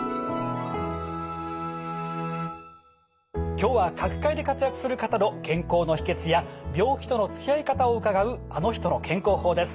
今日は各界で活躍する方の健康の秘けつや病気とのつきあい方を伺う「あの人の健康法」です。